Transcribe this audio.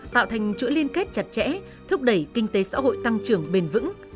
tạo thành chuỗi liên kết chặt chẽ thúc đẩy kinh tế xã hội tăng trưởng bền vững